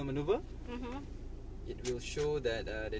ไม่เป็นไรฉันโอเค